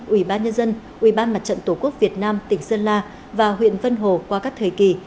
ủy ban nhân dân ủy ban mặt trận tổ quốc việt nam tỉnh sơn la và huyện vân hồ qua các thời kỳ